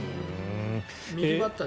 右バッター